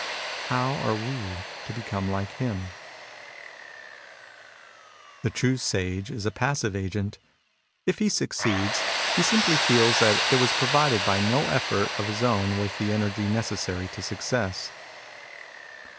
How are we to become like him ? The true Sage is a passive agent. If he suc ceeds, he simply feels that he was provided by no effort of his own with the energy necessary to success.